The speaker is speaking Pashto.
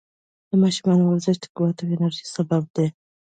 د ماشومانو ورزش د قوت او انرژۍ سبب دی.